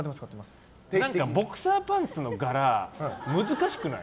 ボクサーパンツの柄難しくない？